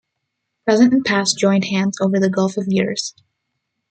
Present and past joined hands over the gulf of years.